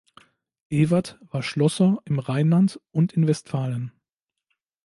Evert war Schlosser im Rheinland und in Westfalen.